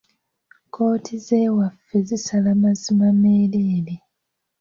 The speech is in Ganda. Kkooti z'ewaffe zisala mazima meereere.